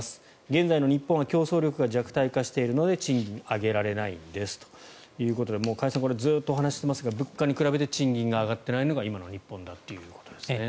現在の日本は競争力が弱体化しているので賃金を上げられないんですということで加谷さん、これはずっとお話していますが物価に比べて賃金が上がっていないのが今の日本だということですね。